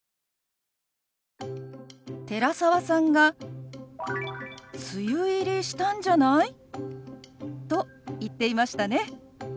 寺澤さんが「梅雨入りしたんじゃない？」と言っていましたね。